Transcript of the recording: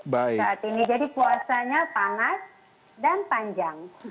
jadi puasanya panas dan panjang